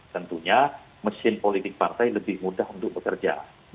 tentunya mesin politik partai lebih mudah untuk bekerja